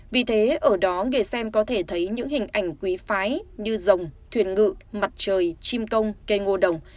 vì thế ở đó người xem có thể thấy những hình ảnh quý phái như rồng thuyền ngự mặt trời chim công cây ngô đồng